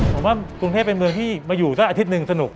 ผมว่ากรุงเทพเป็นเมืองที่มาอยู่สักอาทิตย์หนึ่งสนุก